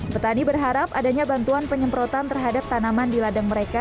petani berharap adanya bantuan penyemprotan terhadap tanaman di ladang mereka